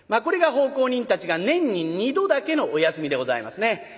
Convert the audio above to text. これが奉公人たちが年に２度だけのお休みでございますね。